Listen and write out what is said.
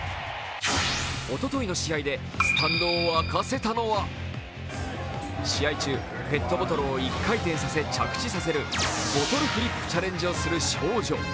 おとといの試合でスタンドを沸かせたのは試合中、ペットボトルを一回転させ着地させるボトルフリップチャレンジをする少女。